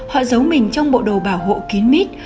họ giấu mình trong bộ đồ bảo hộ kín mít